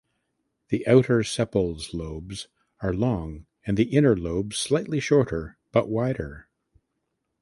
The outer sepals lobes are long and the inner lobes slightly shorter but wider.